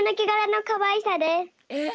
えっ！？